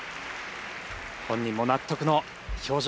本人も納得の表情。